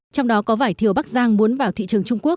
trong đó có vải thiều bắc giang muốn vào thị trường trung quốc